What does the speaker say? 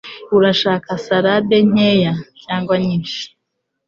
Urashaka salade nkeya cyangwa nyinshi?